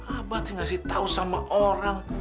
abah teh ngasih tahu sama orang